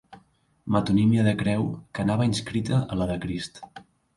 Metonímia de creu que anava inscrita a la de Crist.